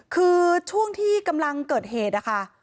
คือช่วงที่กำลังเกิดเหตุนะคะ